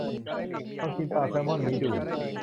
ลองกินปลาแซลมอนนี้ดู